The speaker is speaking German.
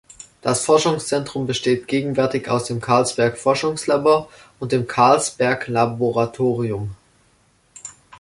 Das Forschungszentrum besteht gegenwärtig aus dem Carlsberg-Forschungslabor und dem Carlsberg-Laboratorium.